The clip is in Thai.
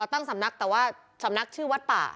ตั้งสำนักแต่ว่าสำนักชื่อวัดป่า